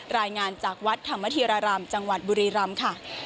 รายงานจากวัดธรรมธีรารามจังหวัดบุรีรำค่ะ